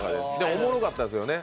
おもろかったですよね。